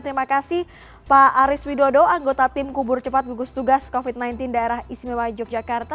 terima kasih pak aris widodo anggota tim kubur cepat gugus tugas covid sembilan belas daerah istimewa yogyakarta